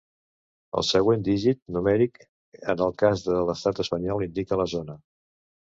El següent dígit, numèric en el cas de l'estat espanyol, indica la zona.